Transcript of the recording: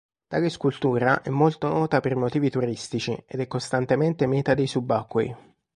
Tale scultura è molto nota per motivi turistici ed è costantemente meta dei subacquei.